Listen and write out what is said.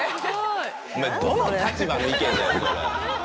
お前どの立場の意見だよそれ。